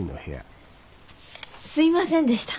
すいませんでした。